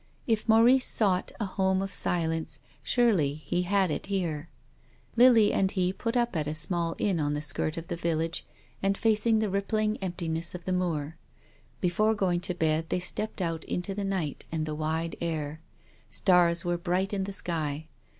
If Maurice sought a home of silence surely he had it here. Lily and he put up at a small inn on the skirt of the village and facing THE LIVING CHILD. 229 the rippling emptiness of the moor. Before going to bed they stepped out into the night and the wide air. Stars were bright in the sky.